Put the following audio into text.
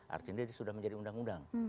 artinya dia sudah menjadi undang undang